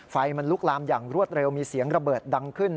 ไฟมันลุกลามอย่างรวดเร็วมีเสียงระเบิดดังขึ้น